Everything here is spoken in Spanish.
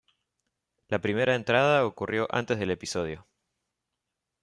La primera entrada ocurrió antes del episodio.